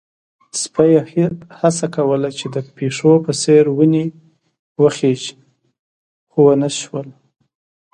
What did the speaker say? سپي هڅه کوله چې د پيشو په څېر په ونې وخيژي، خو ونه شول.